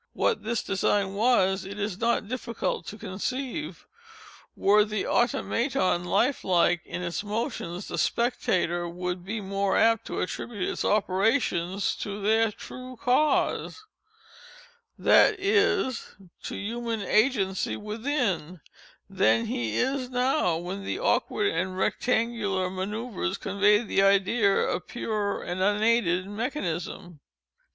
What this design was it is not difficult to conceive. Were the Automaton life like in its motions, the spectator would be more apt to attribute its operations to their true cause, (that is, to human agency within) than he is now, when the awkward and rectangular manœuvres convey the idea of pure and unaided mechanism.